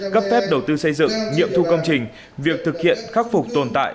cấp phép đầu tư xây dựng nghiệm thu công trình việc thực hiện khắc phục tồn tại